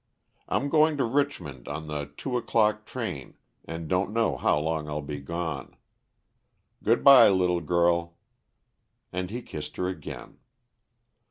I'm going to Richmond on the two o'clock train, and don't know how long I'll be gone. Good by, little girl," and he kissed her again.